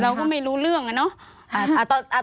เราก็ไม่รู้เรื่องอะเนาะ